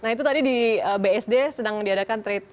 nah itu tadi di bsd sedang diadakan trade